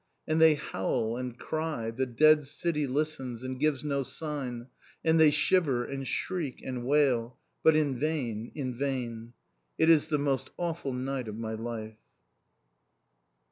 And, they howl, and cry, the dead city listens, and gives no sign, and they shiver, and shriek, and wail, but in vain, in vain. It is the most awful night of my life!